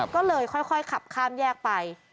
ก็เลยค่อยขับข้ามแยกไป